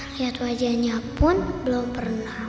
lihat wajahnya pun belum pernah